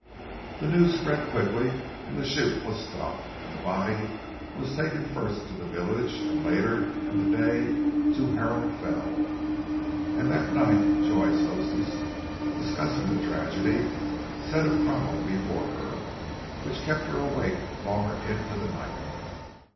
The news spread quickly and the shoot was stopped, and the body was taken first to the village, and later in the day to Harrow Fell. And that night Joy's hostess, discussing the tragedy, set a problem before her, which kept her awake far into the night.